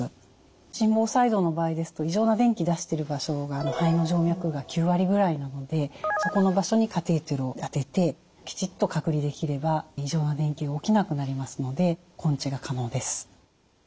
心房細動の場合ですと異常な電気出している場所が肺の静脈が９割ぐらいなのでそこの場所にカテーテルを当ててきちっと隔離できれば異常な電気が起きなくなりますので根治が可能です。